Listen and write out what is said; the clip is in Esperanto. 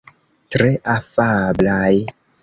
Tre afablaj.